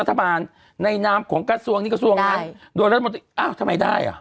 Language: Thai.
ทำไมได้อ่ะ